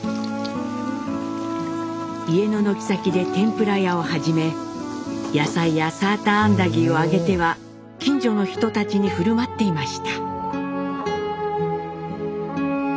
家の軒先で天ぷら屋を始め野菜やサーターアンダギーを揚げては近所の人たちに振る舞っていました。